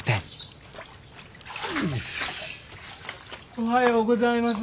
おはようございます。